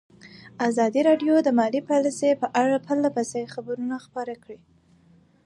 ازادي راډیو د مالي پالیسي په اړه پرله پسې خبرونه خپاره کړي.